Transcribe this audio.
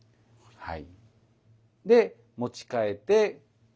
はい。